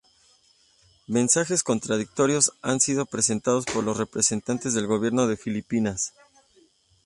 Mensajes contradictorios han sido presentados por los representantes del Gobierno de Filipinas.